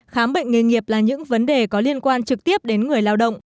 khám bệnh nghề nghiệp là những vấn đề có liên quan trực tiếp đến người lao động